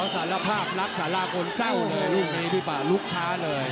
สารภาพรักสารากลเศร้าเลยลูกนี้พี่ป่าลุกช้าเลย